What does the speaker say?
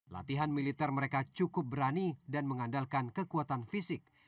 latihan militer mereka cukup berani dan mengandalkan kekuatan fisik